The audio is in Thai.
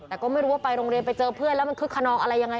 แต่ก็ไม่รู้ว่าไปโรงเรียนไปเจอเพื่อนแล้วมันคึกขนองอะไรยังไง